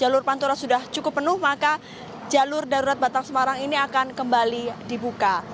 jalur pantura sudah cukup penuh maka jalur darurat batang semarang ini akan kembali dibuka